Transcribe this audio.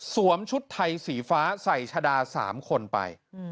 ชุดไทยสีฟ้าใส่ชะดา๓คนไป